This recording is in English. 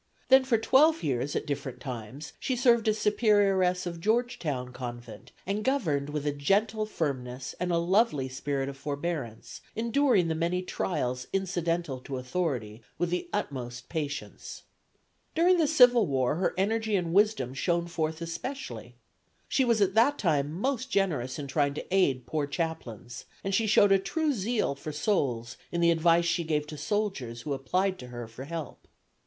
Then for twelve years at different times she served as Superioress of Georgetown Convent and governed with a gentle firmness and a lovely spirit of forebearance; enduring the many trials incidental to authority with the utmost patience. "During the civil war her energy and wisdom shone forth especially. She was at that time most generous in trying to aid poor chaplains, and she showed a true zeal for souls in the advice she gave to soldiers who applied to her for help.